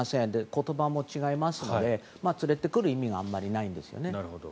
言葉も違いますので連れてくる意味があまりないんですね。